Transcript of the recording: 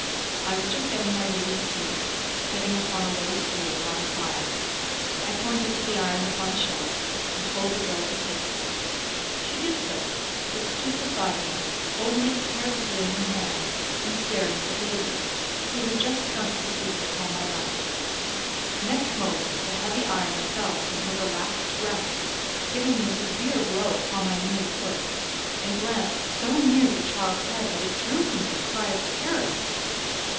I was just getting my baby to sleep, sitting upon a low stool by the fire. I pointed to the iron upon the shelf, and told the girl to take it. She did so, but stood beside me, holding it carelessly in her hand, and staring at the baby, who had just sunk to sleep upon my lap. The next moment the heavy iron fell from her relaxed grasp, giving me a severe blow upon my knee and foot; and glanced so near the child's head that it drew from me a cry of terror.